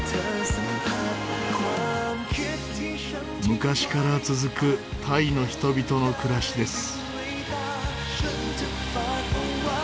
昔から続くタイの人々の暮らしです。